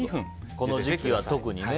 この時期は特にね。